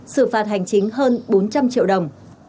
xử phạt hành chính hơn bốn trăm linh triệu đồng